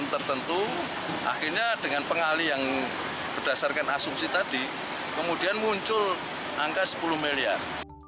tertentu akhirnya dengan pengali yang berdasarkan asumsi tadi kemudian muncul angka sepuluh miliar